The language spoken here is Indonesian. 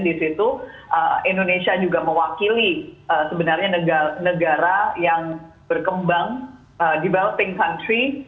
di situ indonesia juga mewakili sebenarnya negara yang berkembang developing country